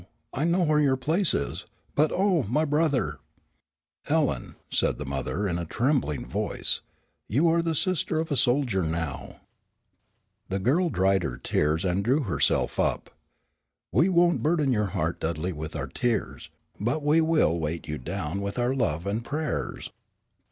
I know where your place is, but oh, my brother!" "Ellen," said the mother in a trembling voice, "you are the sister of a soldier now." The girl dried her tears and drew herself up. "We won't burden your heart, Dudley, with our tears, but we will weight you down with our love and prayers."